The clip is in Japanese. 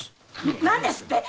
何ですって？